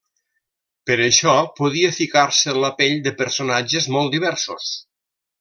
Per això podia ficar-se en la pell de personatges molt diversos.